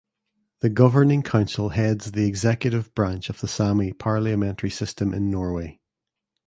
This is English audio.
The Governing Council heads the executive branch of the Sami parliamentary system in Norway.